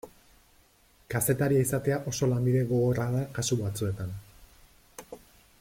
Kazetaria izatea oso lanbide gogorra da kasu batzuetan.